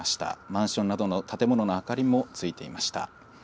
マンションなどの建物の明かりもついていました。